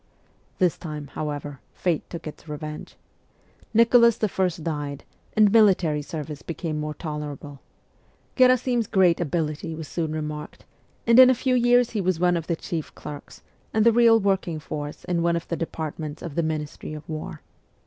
This time, however, fate took its revenge. Nicholas I. died, and military service became more tolerable. Gherasim's great ability was soon remarked, and in a few years he was one of the chief clerks, and the real working force in one of the departments of the Ministry of War.